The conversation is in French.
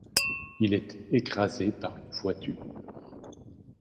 Il est écrasé par une voiture.